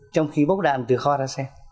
trong khi bốc đạn từ kho ra xe